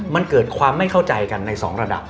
มันเกิดความไม่เข้าใจกันในสองระดับ